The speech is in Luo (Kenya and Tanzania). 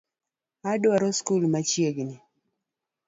Adwaro sikul machiegni